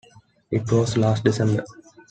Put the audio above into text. It was last December.